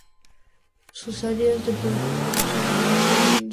Sus áreas de productividad son la agrícola e industrial.